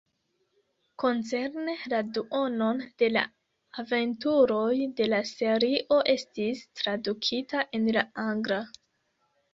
Koncerne la duonon de la aventuroj de la serio estis tradukita en la angla.